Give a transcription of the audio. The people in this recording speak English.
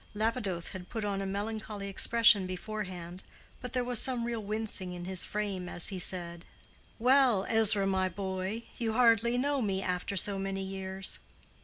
Lapidoth had put on a melancholy expression beforehand, but there was some real wincing in his frame as he said, "Well, Ezra, my boy, you hardly know me after so many years."